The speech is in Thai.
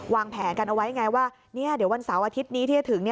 วางแผนกันเอาไว้ไงว่าเดี๋ยววันเสาร์อาทิตย์นี้ที่จะถึง